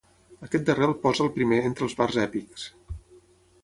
Aquest darrer el posa el primer entre els bards èpics.